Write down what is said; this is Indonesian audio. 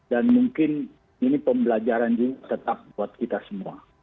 dan mungkin ini pembelajaran juga tetap buat kita semua